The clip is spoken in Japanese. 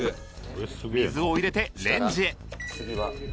水を入れてレンジへ